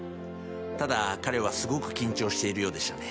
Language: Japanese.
ただ彼はすごく緊張しているようでしたね。